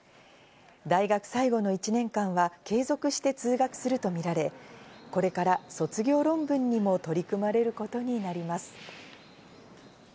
大学最後の１年間は継続して通学するとみられ、これから卒業論文にも取り組まれることになります。